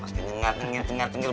masih nengar nengar cengar cengar